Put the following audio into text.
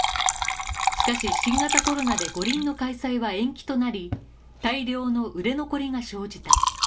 しかし新型コロナで五輪の開催は延期となり、大量の売れ残りが生じた。